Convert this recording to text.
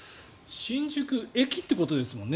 新宿駅ということですもんね。